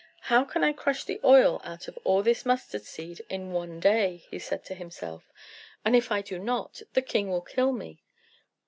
"How can I crush the oil out of all this mustard seed in one day?" he said to himself; "and if I do not, the king will kill me."